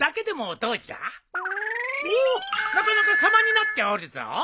おおなかなか様になっておるぞ。